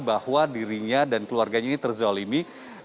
bahwa dirinya dan keluarganya ini terzolimi